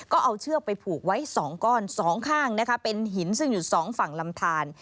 ก็เอาเชือกไปผูกไว้๒ก้อนสองข้างนะคะเป็นหินซึ่งอยู่สองฝั่งลำทาน